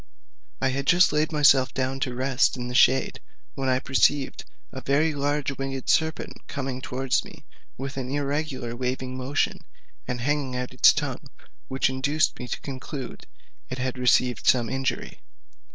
I had just laid myself down to rest in a shade, when I perceived a very large winged serpent coming towards me, with an irregular waving movement, and hanging out its tongue, which induced me to conclude it had received some injury.